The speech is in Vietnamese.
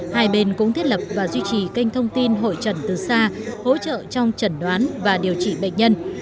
hai bên cũng thiết lập và duy trì kênh thông tin hội trần từ xa hỗ trợ trong trần đoán và điều trị bệnh nhân